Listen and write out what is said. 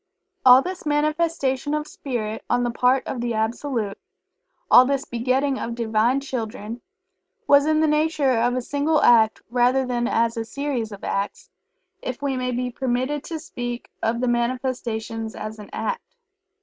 All this manifestation of Spirit on the part of the Absolute all this begetting of Divine Children was in the nature of a single act rather than as a series of acts, if we may be permitted to speak of the manifestation as an act.